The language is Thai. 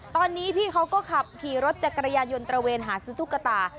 ตอนนี้พี่เขาก็ขับขี่รถจักรยานยนต์ตระเวนหาซื้อตุ๊กตา